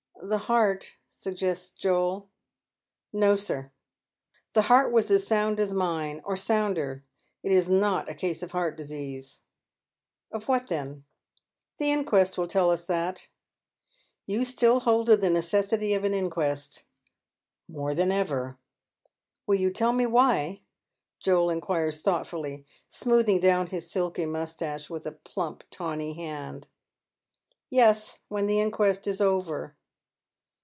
" The heart," suggests Joel. " No, sir. The heart was as sound as mine — or sounder. It is Dot a case of heart disease." " Of what then ?"" The inquest will tell us that." *' You still hold to the necessity of an inquest." *' More than ever." •' Will you tell me why ?" Joel inquires thoughtfully, smooth ing down his silky moustache with a plump taivny hand. " Yes, when the inquest is over."